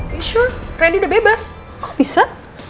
you sure randy udah bebas kok bisa